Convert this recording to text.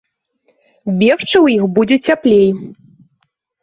Бегчы ў іх будзе цяплей.